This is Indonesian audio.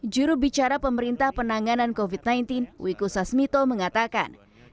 jurubicara pemerintah penanganan covid sembilan belas wiku sasmito mengatakan